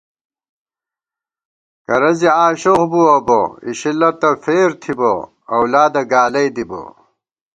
کرہ زی آشوخ بُوَہ بہ اِشِلہ تہ فېر تھِبہ اؤلادہ گالَئ دِبہ